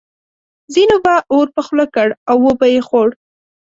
ځینو به اور په خوله کړ او وبه یې خوړ.